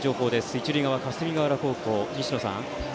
一塁側、霞ヶ浦高校、西野さん。